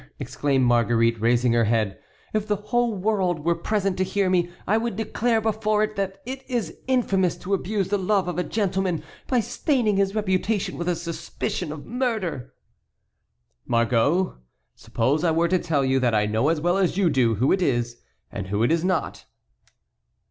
exclaimed Marguerite, raising her head, "if the whole world were present to hear me, I would declare before it that it is infamous to abuse the love of a gentleman by staining his reputation with a suspicion of murder." "Margot, suppose I were to tell you that I know as well as you do who it is and who it is not?"